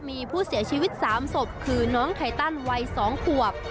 มีผู้เสียชีวิต๓ศพคือน้องไทตันวัย๒ขวบ